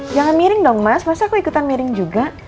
jangan miring dong mas masa aku ikutan miring juga